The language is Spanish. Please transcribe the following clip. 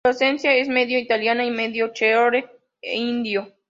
Su ascendencia es medio italiana y medio cherokee indio.